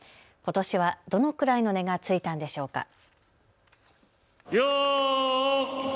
ことしはどのくらいの値がついたんでしょうか。